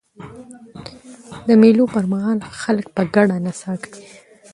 د مېلو پر مهال خلک په ګډه نڅا کوي.